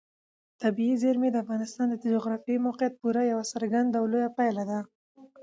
طبیعي زیرمې د افغانستان د جغرافیایي موقیعت پوره یوه څرګنده او لویه پایله ده.